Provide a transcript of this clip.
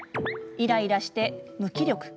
イライラして無気力。